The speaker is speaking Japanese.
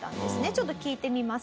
ちょっと聞いてみます